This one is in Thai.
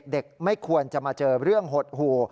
ไม่ควรจะมาเจอเรื่องหดหู่